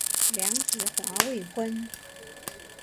梁质华未婚。